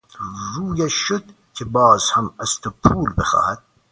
رویش شد که باز هم از تو پول بخواهد!